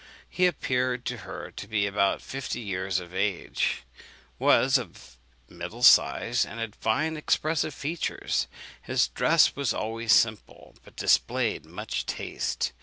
He appeared to her to be about fifty years of age, was of the middle size, and had fine expressive features. His dress was always simple, but displayed much taste.